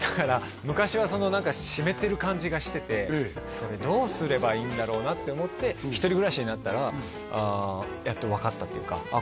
昔はその湿ってる感じがしててそれどうすればいいんだろうなって思って一人暮らしになったらやっと分かったっていうかああ